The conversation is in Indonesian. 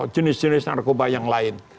jenis jenis narkoba yang lain